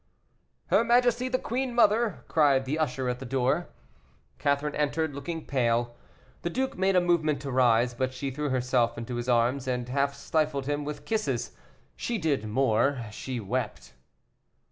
"Her majesty the queen mother!" cried the usher at the door. Catherine entered, looking pale. The duke made a movement to rise, but she threw herself into his arms and half stifled him with kisses. She did more she wept.